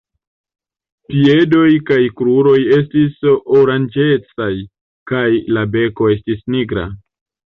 Piedoj kaj kruroj estis oranĝecaj kaj la beko estis nigra.